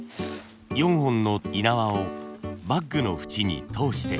４本のい縄をバッグのふちに通して。